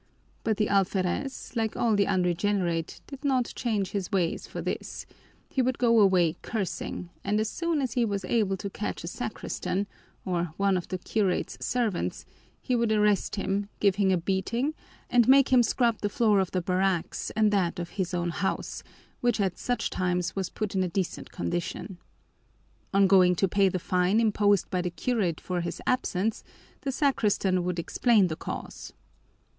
But the alferez, like all the unregenerate, did not change his ways for this; he would go away cursing, and as soon as he was able to catch a sacristan, or one of the curate's servants, he would arrest him, give him a beating, and make him scrub the floor of the barracks and that of his own house, which at such times was put in a decent condition. On going to pay the fine imposed by the curate for his absence, the sacristan would explain the cause.